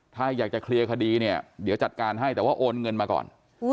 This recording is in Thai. ถ้าอยากจะเคลียร์คดีเนี่ยเดี๋ยวจัดการให้แต่ว่าโอนเงินมาก่อน